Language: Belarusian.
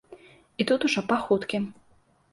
І тут ужо па хуткім.